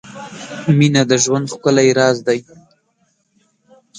• مینه د ژوند ښکلی راز دی.